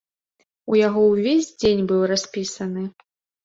У яго ўвесь дзень быў распісаны.